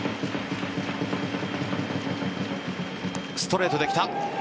ストレートできた。